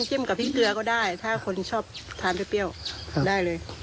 กับพริกเกลือก็ได้ถ้าคนชอบทานเปรี้ยวได้เลย